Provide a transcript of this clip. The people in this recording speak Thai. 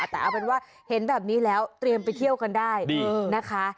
แต่เอาเป็นว่าเห็นแบบนี้แล้วเตรียมไปเที่ยวกันได้นะคะ